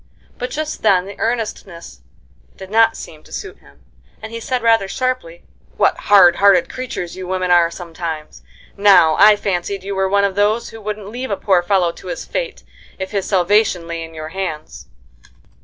But just then the earnestness did not seem to suit him, and he said, rather sharply: "What hard hearted creatures you women are sometimes! Now, I fancied you were one of those who wouldn't leave a poor fellow to his fate, if his salvation lay in your hands."